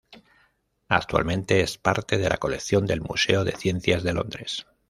Actualmente es parte de la colección del Museo de Ciencias de Londres.